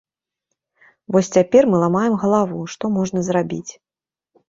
Вось цяпер мы ламаем галаву, што можна зрабіць.